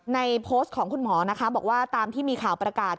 ในโพสต์ของคุณหมอนะคะบอกว่าตามที่มีข่าวประกาศ